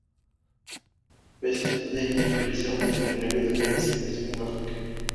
Bassett de niño quería ser un veterinario de vida silvestre en África.